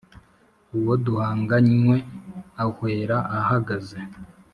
Uwo duhanganywe ahwera ahagaze,